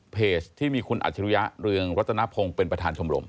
ที่มีคุณอัจฉริยะเรืองรัตนพงศ์เป็นประธานชมรม